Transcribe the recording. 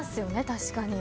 確かに。